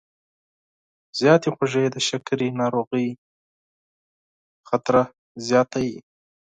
زیاتې خوږې د شکرې ناروغۍ خطر زیاتوي.